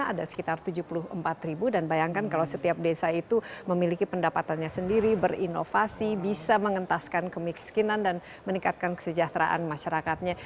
ada sekitar tujuh puluh empat ribu dan bayangkan kalau setiap desa itu memiliki pendapatannya sendiri berinovasi bisa mengentaskan kemiskinan dan meningkatkan kesejahteraan masyarakatnya